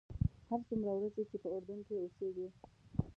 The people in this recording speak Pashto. هر څومره ورځې چې په اردن کې اوسېږې.